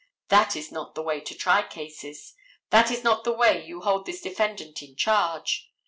That is not the way to try cases. That is not the way you hold this defendant in charge.